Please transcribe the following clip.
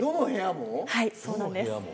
はいそうなんです。